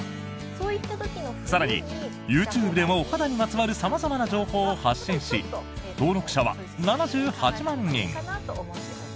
更に、ＹｏｕＴｕｂｅでもお肌にまつわる様々な情報を発信し登録者は７８万人。